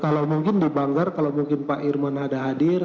kalau mungkin di banggar kalau mungkin pak irman ada hadir